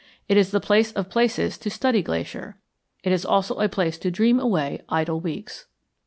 It is the place of places to study Glacier. It is also a place to dream away idle weeks.